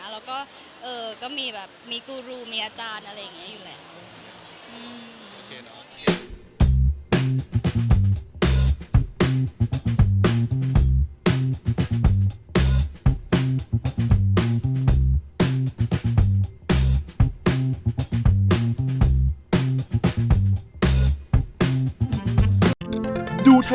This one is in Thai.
แล้วก็มีกูรูมีอาจารย์อะไรแบบนี้อยู่แล้ว